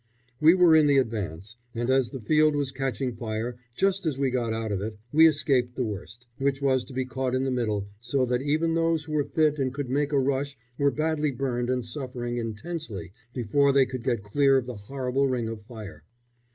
We were in the advance, and as the field was catching fire just as we got out of it, we escaped the worst, which was to be caught in the middle, so that even those who were fit and could make a rush were badly burned and suffering intensely before they could get clear of the horrible ring of fire.